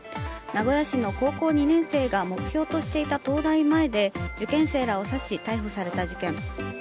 名古屋市の高校２年生が目標としていた東大前で受験生らを刺し逮捕された事件。